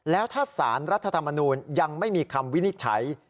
แล้วถ้าสารรัฐธรรมนูลยังไม่มีคำวินิจฉัย